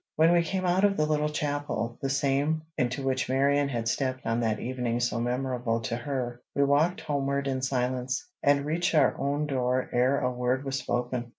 When we came out of the little chapel, the same into which Marion had stepped on that evening so memorable to her, we walked homeward in silence, and reached our own door ere a word was spoken.